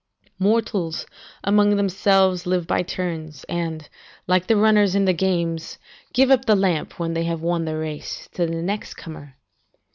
["Mortals, amongst themselves, live by turns, and, like the runners in the games, give up the lamp, when they have won the race, to the next comer.